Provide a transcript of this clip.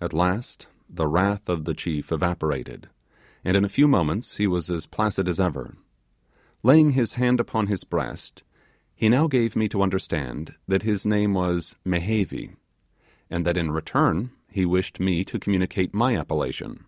At last the wrath of the chief evaporated, and in a few moments he was as placid as ever. Laying his hand upon his breast, he gave me to understand that his name was 'Mehevi', and that, in return, he wished me to communicate my appellation.